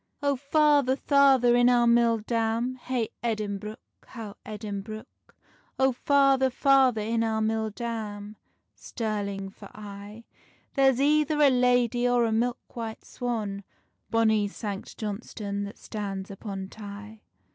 "Oh father, father, in our mill dam, Hey Edinbruch, how Edinbruch, Oh father, father, in our mill dam, Stirling for aye: There's either a lady, or a milk white swan, Bonny Sanct Johnstonne that stands upon Tay."